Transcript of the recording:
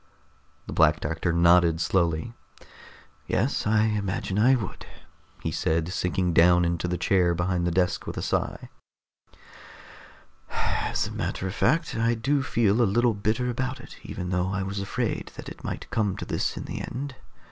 The Black Doctor nodded slowly. "Yes, I imagine I would," he said, sinking down into the chair behind the desk with a sigh. "As a matter of fact, I do feel a little bitter about it, even though I was afraid that it might come to this in the end.